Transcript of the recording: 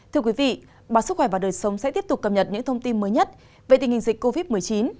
thưa quý vị báo sức khỏe và đời sống sẽ tiếp tục cập nhật những thông tin mới nhất về tình hình dịch covid một mươi chín